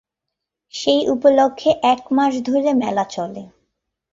সেই উপলক্ষে এক মাস ধরে মেলা চলে।